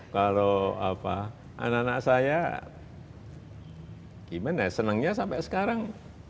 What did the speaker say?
kalau anak anak saya gimana senangnya sampai sekarang